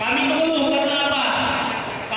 kami mengeluhkan kata kata